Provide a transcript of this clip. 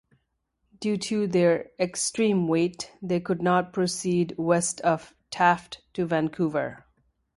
Due to their extreme weight, they could not proceed west of Taft to Vancouver.